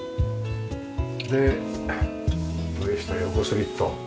で上下横スリット。